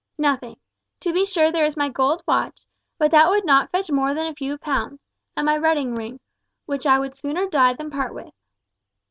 "Nothing. To be sure there is my gold watch, but that would not fetch more than a few pounds; and my wedding ring, which I would sooner die than part with."